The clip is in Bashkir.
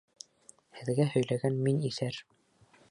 Һеҙгә һөйләгән мин иҫәр.